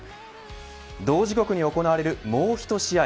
同時刻に行われるもうひと試合